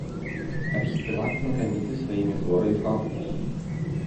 Архіпелаг знакаміты сваімі флорай і фаунай.